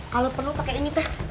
kalau perlu pakai ini teh